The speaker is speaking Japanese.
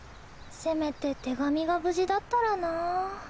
せめて手紙が無事だったらなぁ。